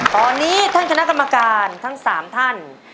ตอนนี้ท่านคณะกรรมการทั้ง๓ท่าน